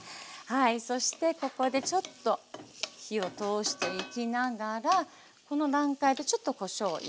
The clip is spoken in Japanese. そしてここでちょっと火を通していきながらこの段階でちょっとこしょうを入れますね。